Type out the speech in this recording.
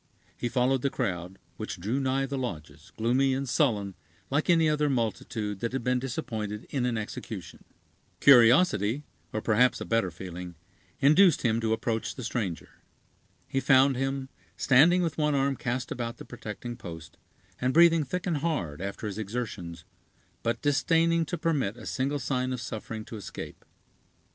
He followed the crowd, which drew nigh the lodges, gloomy and sullen, like any other multitude that had been disappointed in an execution. Curiosity, or perhaps a better feeling, induced him to approach the stranger. He found him, standing with one arm cast about the protecting post, and breathing thick and hard, after his exertions, but disdaining to permit a single sign of suffering to escape.